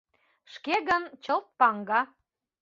Шке гын, чылт паҥга